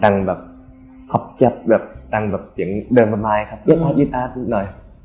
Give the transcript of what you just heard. ดังแบบฮอปแจ๊คดังแบบเสียงเดินมาไมค์ครับยึดนิดหน่อย